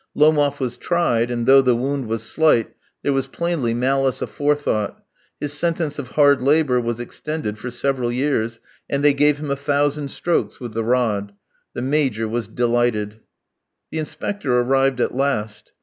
Lomof was tried, and, though the wound was slight, there was plainly malice aforethought; his sentence of hard labour was extended for several years, and they gave him a thousand strokes with the rod. The Major was delighted. The Inspector arrived at last.